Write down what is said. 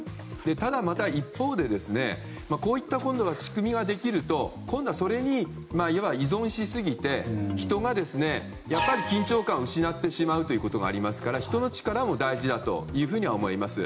ただ、また一方でこういった仕組みができると今度はそれに依存しすぎて人が緊張感を失ってしまうことがありますから人の力も大事だというふうに思います。